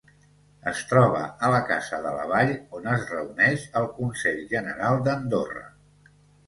Es troba a la Casa de la Vall on es reuneix el Consell General d'Andorra.